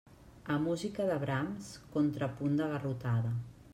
A música de brams, contrapunt de garrotada.